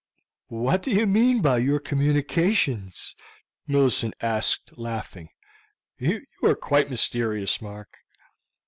"What do you mean by your communications?" Millicent asked, laughing. "You are quite mysterious, Mark."